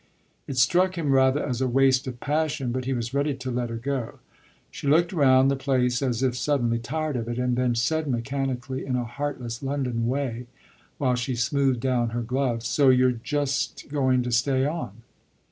It struck him rather as a waste of passion, but he was ready to let her go. She looked round the place as if suddenly tired of it and then said mechanically, in a heartless London way, while she smoothed down her gloves, "So you're just going to stay on?"